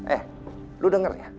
eh lo denger ya